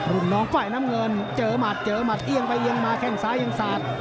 รุ่นน้องฝ่ายน้ำเงินเจอหมัดเจอหมัดเอียงไปเอียงมาแข้งซ้ายยังสาด